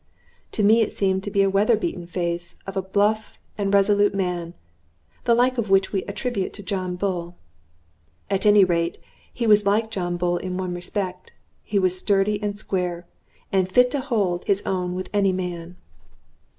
To me it seemed to be a weather beaten face of a bluff and resolute man, the like of which we attribute to John Bull. At any rate, he was like John Bull in one respect: he was sturdy and square, and fit to hold his own with any man.